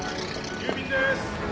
郵便です。